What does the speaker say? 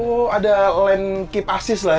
oh ada lane keep assist lah ya